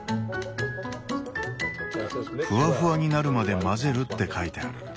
「フワフワになるまで混ぜる」って書いてある。